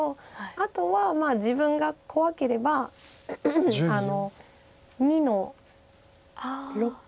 あとは自分が怖ければ２の六。